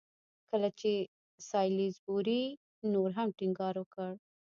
کله چې سالیزبوري نور هم ټینګار وکړ.